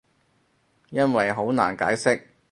因為好難解釋